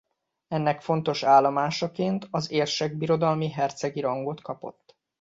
Ennek fontos állomásaként az érsek birodalmi hercegi rangot kapott.